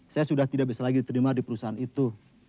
saya sudah tidak bisa lagi terima di perusahaan itu